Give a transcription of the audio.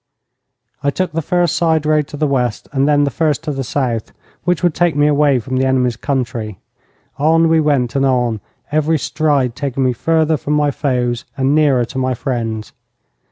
I took the first side road to the west and then the first to the south, which would take me away from the enemy's country. On we went and on, every stride taking me further from my foes and nearer to my friends.